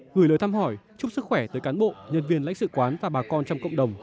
gửi lời thăm hỏi chúc sức khỏe tới cán bộ nhân viên lãnh sự quán và bà con trong cộng đồng